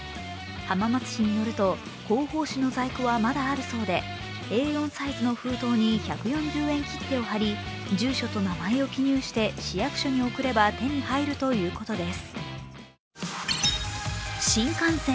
浜松市によると、広報誌の在庫はまだあるそうでＡ４サイズの封筒に１４０円切手を貼り住所と名前を記入して市役所に送れば手に入るということです。